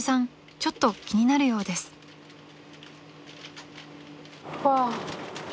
ちょっと気になるようです］うわ。